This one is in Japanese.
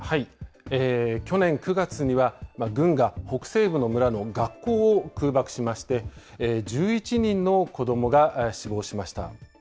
去年９月には、軍が北西部の村の学校を空爆しまして、１１人の子どもが死亡しました。